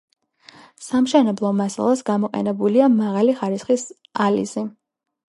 სამშენებლო მასალად გამოყენებულია მაღალი ხარისხის ალიზი.